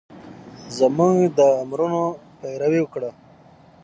زمونږ د امرونو پېروي وکړه